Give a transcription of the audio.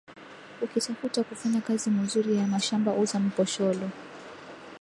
Ukitafuta kufanya kaji muzuri ya mashamba uza mposholo